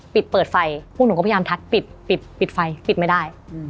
เปิดเปิดไฟพวกหนูก็พยายามทักปิดปิดไฟปิดไม่ได้